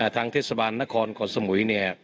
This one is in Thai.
ทางเทศบาลนครเกาะสมุยเนี่ย